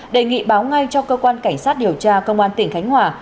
đề nghị báo ngay cho cơ quan cảnh sát điều tra công an tỉnh khánh hòa